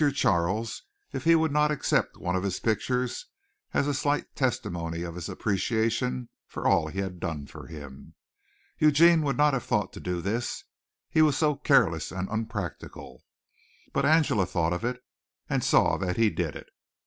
Charles if he would not accept one of his pictures as a slight testimony of his appreciation for all he had done for him. Eugene would not have thought to do this, he was so careless and unpractical. But Angela thought of it, and saw that he did it.